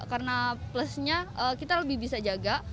karena plusnya kita lebih bisa jaga